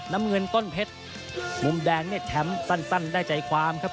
น้ำเงินต้นเพชรมุมแดงเนี่ยแชมป์สั้นได้ใจความครับ